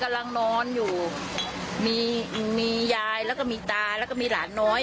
กำลังนอนอยู่มีมียายแล้วก็มีตาแล้วก็มีหลานน้อย